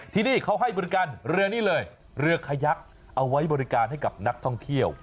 ที่นี่เขาให้บริการเรือนี้เลยเรือขยักเอาไว้บริการให้กับนักท่องเที่ยว